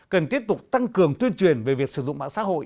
cần tiếp tục tăng cường tuyên truyền về việc sử dụng mạng xã hội